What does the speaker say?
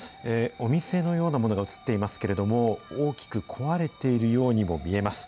お店のようなものが写っていますけれども、大きく壊れているようにも見えます。